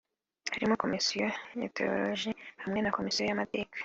harimo Komisiyo ya tewolojiya hamwe na Komisiyo y’amateka